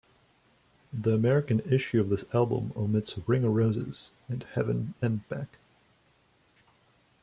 The American issue of this album omits "Ring O' Roses" and "Heaven and Back".